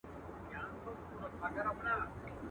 دا ئې قواله په چا ئې منې.